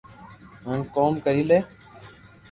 ھين ڪوم ڪري لي